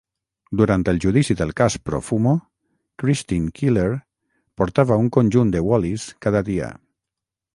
Durant el judici del cas Profumo, Christine Keeler portava un conjunt de Wallis cada dia.